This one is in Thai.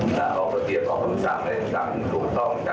น่าออกกระตี้ของมันสร้างมันทั้งถูกต้อง